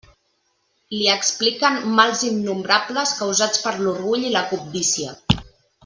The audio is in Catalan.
Li expliquen mals innombrables causats per l'orgull i la cobdícia.